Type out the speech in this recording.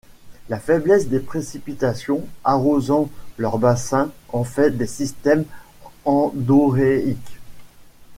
La faiblesse des précipitations arrosant leur bassin en fait des systèmes endoréiques.